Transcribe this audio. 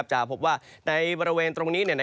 จะพบว่าในบริเวณตรงนี้